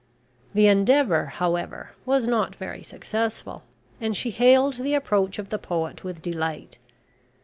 The endeavour, however, was not very successful, and she hailed the approach of the poet with delight.